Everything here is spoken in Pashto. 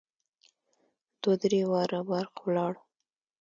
دوه درې واره برق ولاړ.